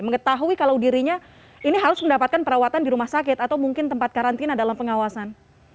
mengetahui kalau dirinya ini harus mendapatkan perawatan di rumah sakit atau mungkin tempat karantina dalam pengawasan